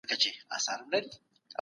لس او شل پاته کېږي.